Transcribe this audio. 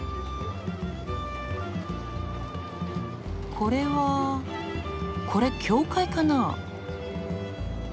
これはこれ教会かな？